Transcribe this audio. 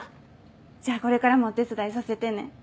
じゃあこれからもお手伝いさせてね。